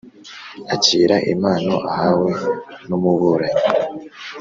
Akira impano ahawe n’umuburanyi